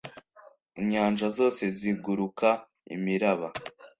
inyanja zose zizunguruka imiraba